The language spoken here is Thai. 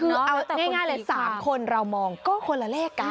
คือเอาง่ายเลย๓คนเรามองก็คนละเลขกัน